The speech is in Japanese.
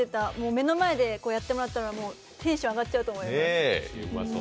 目の前でやってもらったらテンション上がっちゃうと思います。